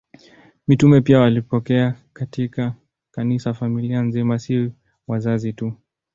Mitume pia walipokea katika Kanisa familia nzima, si wazazi tu.